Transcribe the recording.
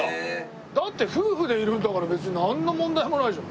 だって夫婦でいるんだから別になんの問題もないじゃん。